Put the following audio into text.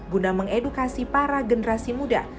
guna mengedukasi para generasi muda